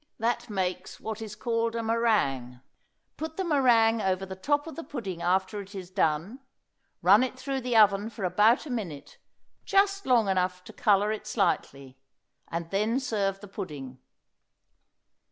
That makes what is called a meringue. Put the meringue over the top of the pudding after it is done; run it through the oven for about a minute, just long enough to color it slightly, and then serve the pudding.